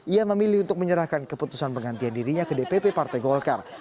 ia memilih untuk menyerahkan keputusan penggantian dirinya ke dpp partai golkar